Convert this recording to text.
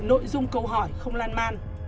nội dung câu hỏi không lan man